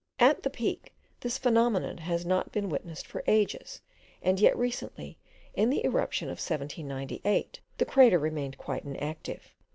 At the Peak this phenomenon has not been witnessed for ages: and yet recently, in the eruption of 1798, the crater remained quite inactive.